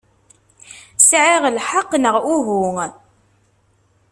Sɛiɣ lḥeqq, neɣ uhu?